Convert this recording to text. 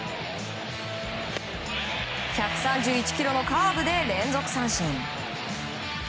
１３１キロのカーブで連続三振！